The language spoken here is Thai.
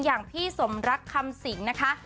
อย่างพี่สมรักคำสิงนะคะ